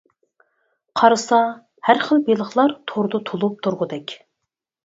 قارىسا، ھەر خىل بېلىقلار توردا تولۇپ تۇرغۇدەك.